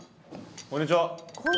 こんにちは。